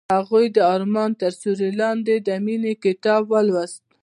هغې د آرمان تر سیوري لاندې د مینې کتاب ولوست.